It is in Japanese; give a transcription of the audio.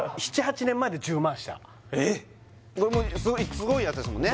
すごいやつですもんね